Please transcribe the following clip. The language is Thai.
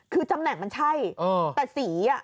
คือตำแหน่งมันใช่แต่สี